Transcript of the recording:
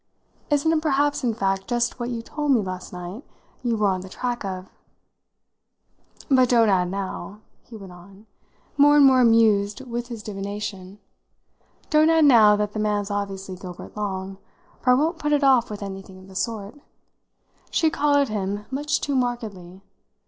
Isn't it perhaps in fact just what you told me last night you were on the track of? But don't add now," he went on, more and more amused with his divination, "don't add now that the man's obviously Gilbert Long for I won't be put off with anything of the sort. She collared him much too markedly.